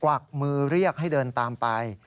วักมือเรียกให้เดินตามไป